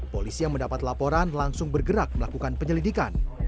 polisi yang mendapat laporan langsung bergerak melakukan penyelidikan